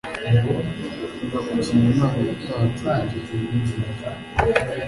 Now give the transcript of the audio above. biva ku bintu Imana yatanze Ibyo bintu bigizwe